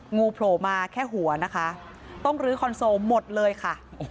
งูโผล่มาแค่หัวนะคะต้องลื้อคอนโซลหมดเลยค่ะ